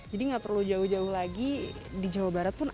jadi gak perlu jauh jauh lagi di jawa barat pun